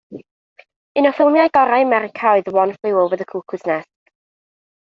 Un o ffilmiau gorau America oedd One Flew Over the Cuckoo's Nest.